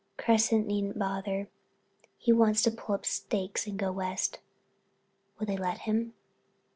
Cresset needn't bother. He wants to pull up stakes and go West." "Will they let him?"